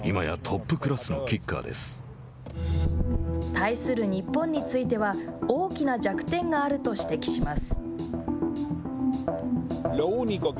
対する日本については大きな弱点があると指摘します。